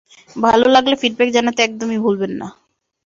ভালো লাগলে ফিডব্যাক জানাতে একদমই ভুলবেন না।